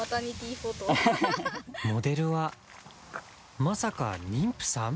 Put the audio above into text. モデルはまさか妊婦さん！？